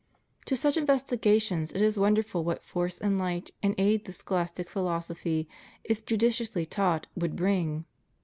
To such investigations it is wonderful what force and light and aid the scholastic philosophy, if judiciously taught, would bring.